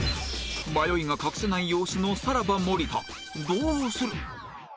迷いが隠せない様子のさらば森田どうする？